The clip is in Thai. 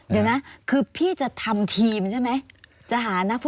เดี๋ยวนะคือพี่จะทำทีมใช่ไหม